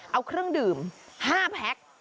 เอาเครื่องดื่ม๕แพ็ค